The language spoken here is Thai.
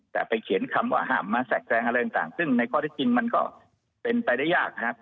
แต่ไปเขียนคำว่าห้ามมาแทรกแทรงอะไรต่างซึ่งในข้อที่จริงมันก็เป็นไปได้ยากนะครับ